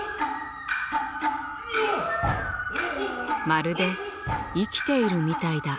まるで生きているみたいだ。